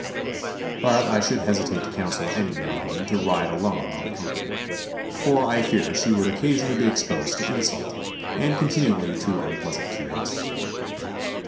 But I should hesitate to counsel any young woman to ride alone on the Continent, for I fear she would occasionally be exposed to insult, and continually to unpleas ant curio sity.